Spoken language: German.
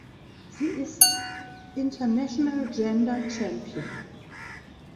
Sie ist International Gender Champion.